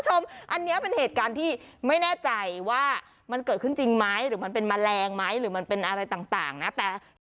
คุณผู้ชมอันนี้เป็นเหตุการณ์ที่ไม่แน่ใจว่ามันเกิดขึ้นจริงไหมหรือมันเป็นแมลงไหมหรือมันเป็นอะไรต่างนะแต่